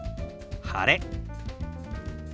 「晴れ」。